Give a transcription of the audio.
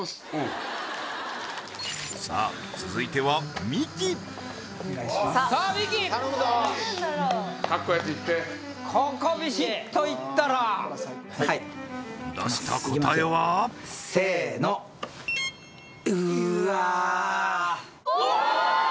さあ続いてはミキさあミキ頼むぞかっこええやついってここビシッといったら出した答えは？せーのうーわーおおー！